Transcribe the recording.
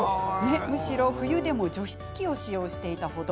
むしろ冬でも除湿器を使用していました。